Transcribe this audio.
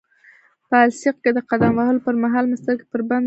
په السیق کې د قدم وهلو پرمهال مې سترګې پر بند ولګېدې.